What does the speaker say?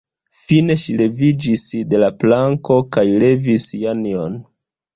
Fine ŝi leviĝis de la planko kaj levis Janjon.